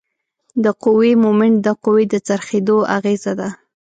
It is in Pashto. د قوې مومنټ د قوې د څرخیدو اغیزه ده.